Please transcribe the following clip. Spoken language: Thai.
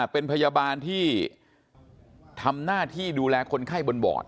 เป็นพยาบาลที่ทำหน้าที่ดูแลคนไข้บนบอด